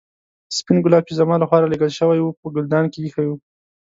سپين ګلاب چې زما له خوا رالېږل شوي وو په ګلدان کې ایښي وو.